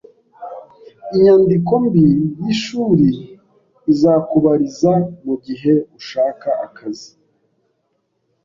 Inyandiko mbi yishuri izakubariza mugihe ushaka akazi.